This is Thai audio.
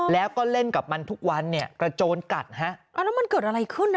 แล้วก็เล่นกับมันทุกวันเนี่ยกระโจนกัดฮะอ่าแล้วมันเกิดอะไรขึ้นน่ะ